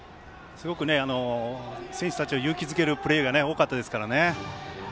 すごく選手たちを勇気づけるプレーが多かったですからね。